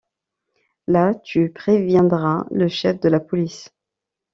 Là, tu préviendras le chef de la police...